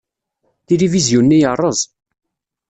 Tilivizyu-nni yerreẓ.